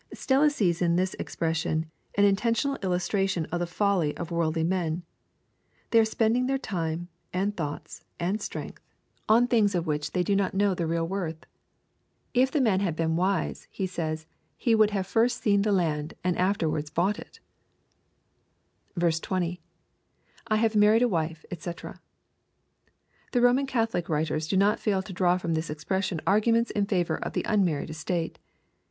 ] Stella sees in this expression an intentional illustration of the folly of worldly men. They are spending their time, and thoughts, and strength. LUKE. CHAP. XIV. 165 on things of which they do not know the real worth. If the mao had been wise, he says " he would first have seen the land, and afterwards bought it." 20. —[/ have married a wife, dsci\ The Roman Catholic writers do not fail to draw from this expression arguments in favor of the unmarried estate.